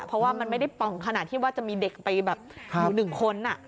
เพราะว่ามันไม่ได้ป่องขนาดที่ว่าจะมีเด็กไปแบบอยู่หนึ่งคน